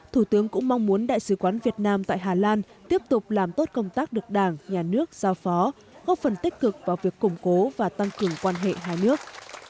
thủ tướng cũng mong muốn đại sứ quán việt nam tại hà lan tiếp tục làm tốt công tác được đảng nhà nước giao phó góp phần tích cực vào việc củng cố và tăng cường quan hệ hai nước